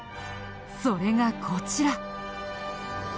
それがこちら。